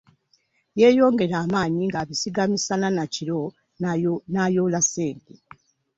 Yeeyongera amaanyi ng'abisiiga misana na kiro n'ayoola ssente.